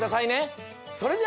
それじゃ。